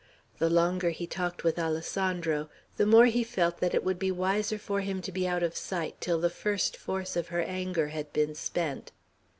The longer he talked with Alessandro, the more he felt that it would be wiser for him to be out of sight till the first force of her anger had been spent.